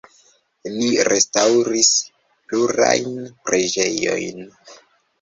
Li restaŭris plurajn preĝejojn.